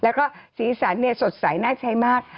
แล้วก็สีสันสดใสน่าใช้มาก